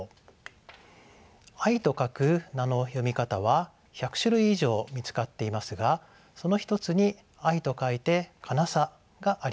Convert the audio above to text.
「愛」と書く名の読み方は１００種類以上見つかっていますがその一つに「愛」と書いて「かなさ」があります。